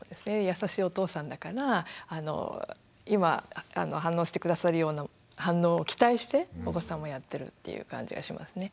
優しいお父さんだから今反応して下さるような反応を期待してお子さんもやってるっていう感じがしますね。